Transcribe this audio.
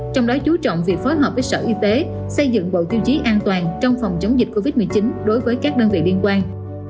trong đó chú trọng việc phối hợp với sở y tế xây dựng bộ tiêu chí an toàn trong phòng chống dịch covid một mươi chín đối với các đơn vị liên quan